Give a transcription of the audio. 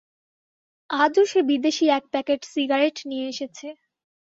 আজও সে বিদেশি এক প্যাকেট সিগারেট নিয়ে এসেছে।